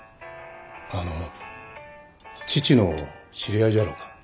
あの父の知り合いじゃろうか。